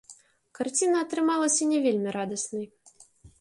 Карціна атрымалася не вельмі радаснай.